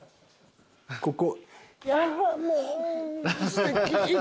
「ここ」